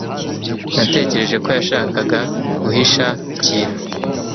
Natekereje ko yashakaga guhisha ikintu.